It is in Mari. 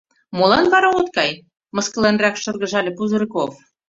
— Молан вара от кай? — мыскыленрак шыргыжале Пузырьков.